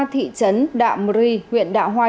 thị trấn đạm rì huyện đạ hoai